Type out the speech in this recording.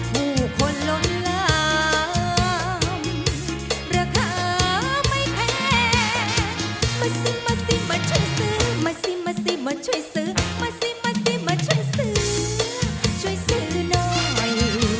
ผู้คนล้นลามราคาไม่แพงมาซื้อมาสิมาช่วยซื้อมาสิมาสิมาช่วยซื้อมาสิมาสิมาช่วยซื้อช่วยซื้อหน่อย